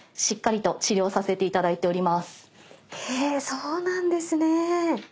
そうなんですね。